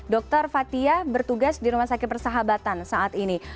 dr fathia bertugas di rumah sakit persahabatan saat ini